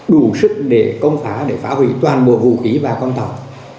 đủ sức để công phá để phá hủy toàn bộ vũ khí và con tàu